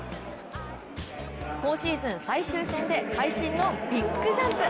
今シーズン最終戦で快心のビッグジャンプ。